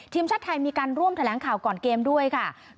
ทีมชาติไทยมีการร่วมแถลงข่าวก่อนเกมด้วยค่ะ